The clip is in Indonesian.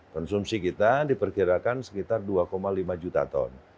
konsumsi kita diperkirakan sekitar dua lima juta ton